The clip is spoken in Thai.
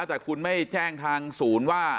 แต่คุณไม่แจ้งทาง๐ว่า